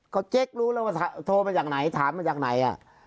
ก็เจ๊กรู้แล้วว่าโทรมาจากไหนถามมาจากไหน